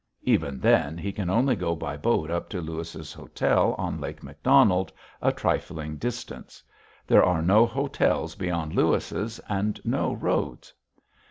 Even then, he can only go by boat up to Lewis's Hotel on Lake McDonald, a trifling distance. There are no hotels beyond Lewis's, and no roads.